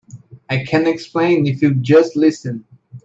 I can explain if you'll just listen.